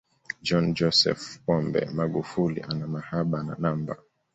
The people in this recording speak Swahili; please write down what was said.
john joseph pombe magufuli ana mahaba na namba